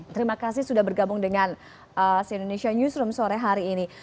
terima kasih sudah bergabung dengan si indonesia newsroom sore hari ini